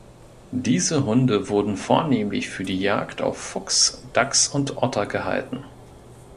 Diese Hunde wurden vornehmlich für die Jagd auf Fuchs, Dachs und Otter gehalten.